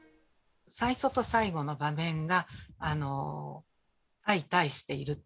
最初と最後の場面が相対している。